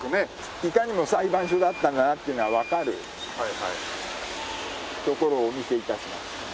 いかにも裁判所だったんだなっていうのがわかる所をお見せ致します。